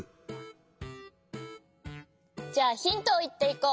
じゃあヒントをいっていこう。